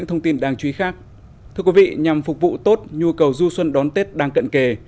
thưa quý vị nhằm phục vụ tốt nhu cầu du xuân đón tết đang cận kề